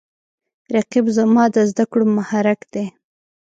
رقیب زما د زده کړو محرک دی